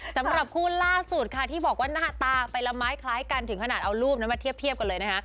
สำหรับคู่ล่าสุดค่ะที่บอกว่าหน้าตาไปละไม้คล้ายกันถึงขนาดเอารูปนั้นมาเทียบกันเลยนะคะ